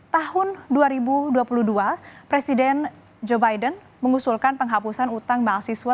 tahun dua ribu dua puluh dua presiden joe biden mengusulkan penghapusan utang mahasiswa